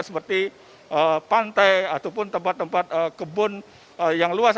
seperti pantai ataupun tempat tempat kebun yang luas